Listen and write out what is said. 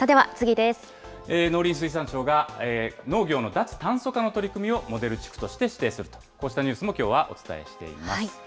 農林水産省が、農業の脱炭素化の取り組みをモデル地区として指定すると、こうしたニュースもきょうはお伝えしています。